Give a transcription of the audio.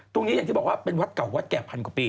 อย่างที่บอกว่าเป็นวัดเก่าวัดแก่พันกว่าปี